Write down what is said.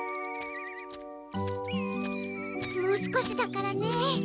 もう少しだからね。